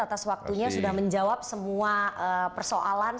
atas waktunya sudah menjawab semua persoalan